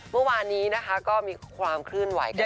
เมื่อวานนี้นะคะก็มีความเคลื่อนไหวกัน